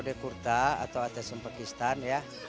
model kurta atau atas sempekistan ya